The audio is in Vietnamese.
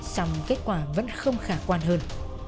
xong kết quả vẫn không khả quan hơn